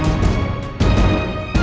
kamu kan sudah selesai